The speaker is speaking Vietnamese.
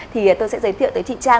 thì tôi sẽ giới thiệu tới chị trang